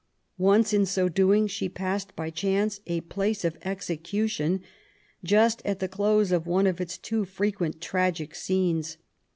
Once, in so doing, she passed by chance a place of execution, just at the close of one of its too frequent tragic scenes.